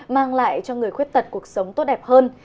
mang lại cho người khuyết tật cuộc sống tốt đẹp hơn